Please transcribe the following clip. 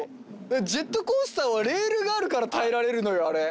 ジェットコースターはレールがあるから耐えられるのよあれ。